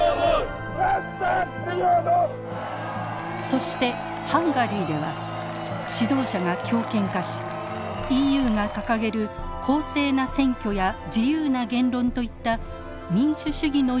そしてハンガリーでは指導者が強権化しＥＵが掲げる公正な選挙や自由な言論といった民主主義の理念が揺らいでいます。